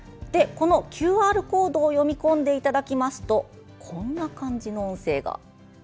このＱＲコードを読み込んでいただきますとこんな感じの音声が。